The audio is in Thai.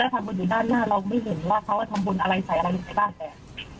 ทำบุญอยู่ด้านหน้าเราไม่เห็นว่าเขาทำบุญอะไรใส่อะไรอยู่ในบ้านแต่